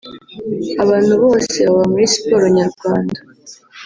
Abantu bose baba muri siporo nyarwanda